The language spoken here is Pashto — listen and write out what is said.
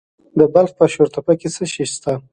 د بلخ په شورتپه کې څه شی شته؟